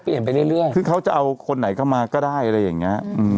ไปเรื่อยคือเขาจะเอาคนไหนเข้ามาก็ได้อะไรอย่างเงี้ยอืม